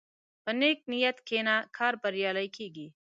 په نیک نیت کښېنه، کار بریالی کېږي.